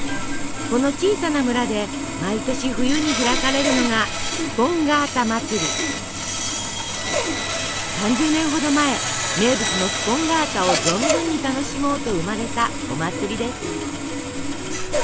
この小さな村で毎年冬に開かれるのが３０年ほど前名物のスポンガータを存分に楽しもうと生まれたお祭りです。